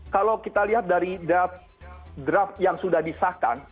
kalau kita lihat dari draft yang sudah disahkan